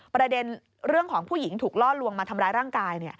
ประเด็นเรื่องของผู้หญิงถูกล่อลวงมาทำร้ายร่างกาย